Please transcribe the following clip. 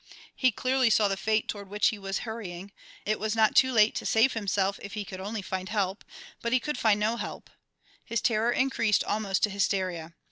He clearly saw the fate toward which he was hurrying; it was not too late to save himself if he only could find help, but he could find no help. His terror increased almost to hysteria.